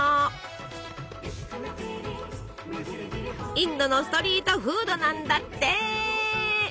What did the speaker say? インドのストリートフードなんだって！